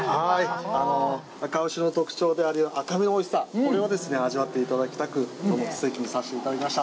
あか牛の特徴である赤身のおいしさ、これを味わっていただきたく、ステーキにさせていただきました。